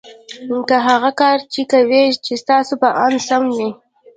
که هغه کار چې کوئ یې ستاسې په اند سم وي